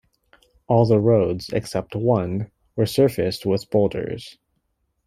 All the roads except one were surfaced with boulders.